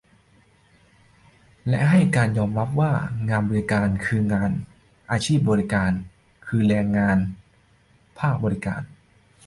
และให้ยอมรับว่า งานบริการ คืองานอาชีพบริการ คือแรงงานภาคบริการ